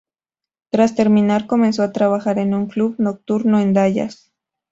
Tras terminar, comenzó a trabajar en un club nocturno en Dallas.